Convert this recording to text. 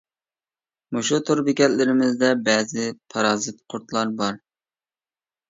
مۇشۇ تور بېكەتلىرىمىزدە بەزى پارازىت قۇرۇتلار بار.